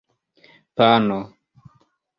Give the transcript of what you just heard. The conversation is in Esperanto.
pano